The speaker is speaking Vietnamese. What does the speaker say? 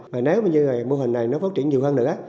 và nếu như mô hình này phát triển nhiều hơn nữa